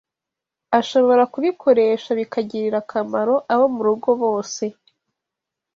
ashobora kubikoresha bikagirira akamaro abo mu rugo bose